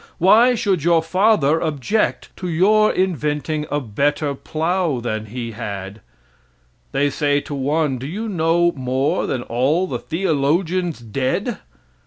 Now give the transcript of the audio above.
Why should your father object to your inventing a better plow than he had. They say to one, do you know more than all the theologians dead?